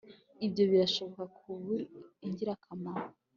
ibyo birashobora kuba ingirakamaro